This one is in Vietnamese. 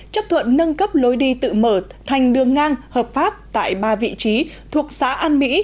chấp thuận nâng cấp lối đi tự mở thành đường ngang hợp pháp tại ba vị trí thuộc xã an mỹ